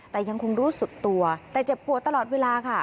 แต่ยังคงรู้สึกตัวแต่เจ็บปวดตลอดเวลาค่ะ